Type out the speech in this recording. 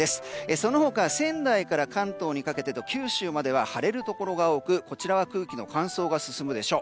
その他仙台から関東にかけてと九州は晴れるところが多くこちらは空気の乾燥が進むでしょう。